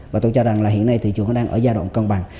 và tôi cho rằng là hiện nay thị trường đang ở giai đoạn cân bằng